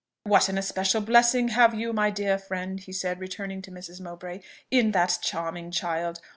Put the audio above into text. "What an especial blessing have you, my dear friend," he said, returning to Mrs. Mowbray, "in that charming child!